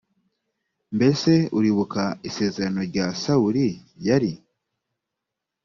mbese uribuka isezerano rya sawuli yari